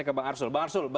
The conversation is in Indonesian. ke mbak arsul